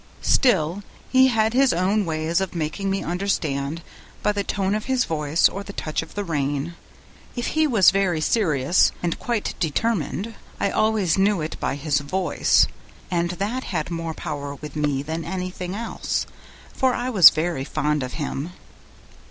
Still, he had his own ways of making me understand by the tone of his voice or the touch of the rein. If he was very serious and quite determined, I always knew it by his voice, and that had more power with me than anything else, for I was very fond of him.